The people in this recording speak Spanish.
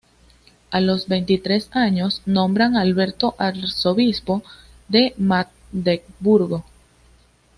a los veintitrés años nombran Alberto arzobispo de Magdeburgo